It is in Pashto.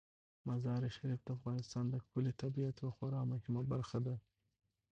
مزارشریف د افغانستان د ښکلي طبیعت یوه خورا مهمه برخه ده.